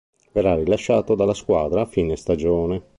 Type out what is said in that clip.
Verrà rilasciato dalla squadra a fine stagione.